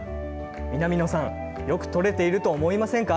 南野さん、よく撮れていると思いませんか？